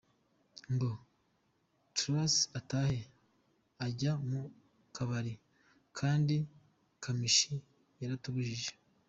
ngo Tracy atahe, ajya mu kabari kandi Kamichi yaratubujije.